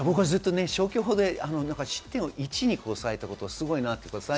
消去法で失点を１に抑えたことはすごいなと。